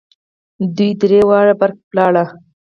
دوه درې واره برق ولاړ.